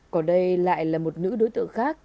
còn đây lại là một nữ đối tượng khác